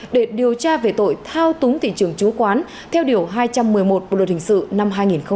để điều tra về tội thao túng thị trường chứng khoán theo điều hai trăm một mươi một bộ luật hình sự năm hai nghìn một mươi năm